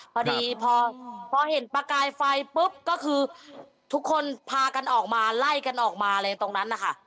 พอดีพอเห็นประกายไฟปุ๊บก็คือทุกคนพากันออกมาไล่กันออกมาเลยตรงนั้นนะคะ